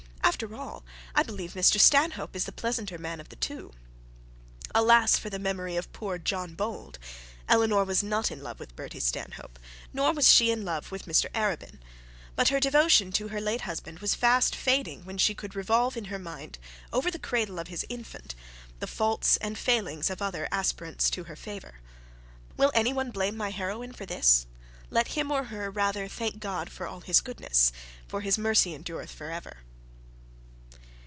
'After all, I believe Mr Stanhope is the pleasanter man of the two.' Alas for the memory of poor John Bold! Eleanor was not in love with Bertie Stanhope, nor was she in love with Mr Arabin. But her devotion to her late husband was fast fading, when she could revolve in her mind, over the cradle of his infant, the faults and failings of other aspirants to her favour. Will any one blame my heroine for this? Let him or her rather thank God for all His goodness, for His mercy endureth for ever.